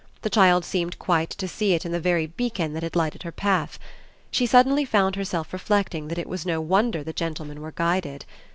The child seemed quite to see in it the very beacon that had lighted her path; she suddenly found herself reflecting that it was no wonder the gentlemen were guided.